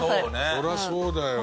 そりゃそうだよ。